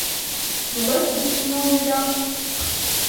— Могай фруктым налнеда?